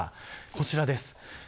こちらです。